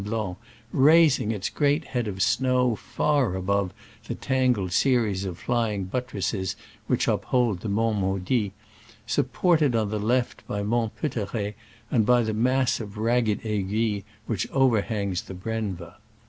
Blanc, raising its great head of snow far above the tangled series of flying buttresses which uphold the Monts Maudits, sup ported on the left by Mont Peuteret and by the mass of ragged aiguilles which overhangs the Brenva.